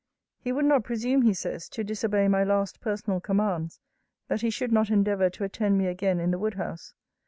He would not presume, he says, to disobey my last personal commands, that he should not endeavour to attend me again in the wood house.